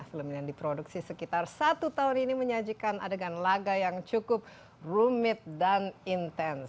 film yang diproduksi sekitar satu tahun ini menyajikan adegan laga yang cukup rumit dan intens